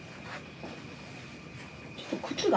・ちょっと靴が。